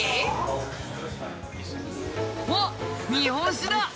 あっ日本酒だ！